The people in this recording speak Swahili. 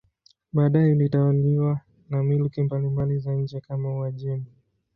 Baadaye ilitawaliwa na milki mbalimbali za nje kama Uajemi.